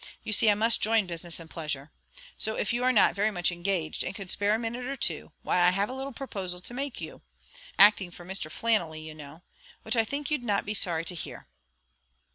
You see I must join business and pleasure; so if you are not very much engaged, and could spare a minute or two, why I have a little proposal to make to you acting for Mr. Flannelly you know which I think you'll not be sorry to hear."